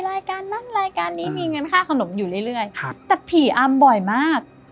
รายการนั้นรายการนี้มีเงินค่าขนมอยู่เรื่อยครับแต่ผีอำบ่อยมาก